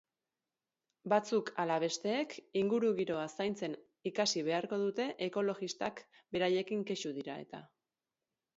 Batzuk ala besteek ingurugiroa zaintzen ikasi beharko dute ekologistak beraiekin kexu dira eta.